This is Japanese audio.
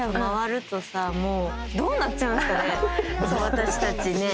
私たちね。